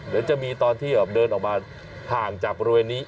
เดุนออกไปเดินออกมาผ่านจากบริเวณนี้